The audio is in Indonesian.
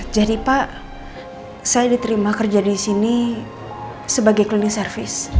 jadi pak saya diterima kerja di sini sebagai cleaning service